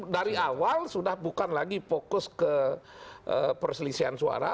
dari awal sudah bukan lagi fokus ke perselisihan suara